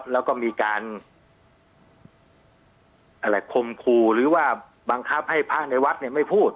แล้วก็มีการคมครูหรือว่าบังคับให้พระในวัดไม่พูด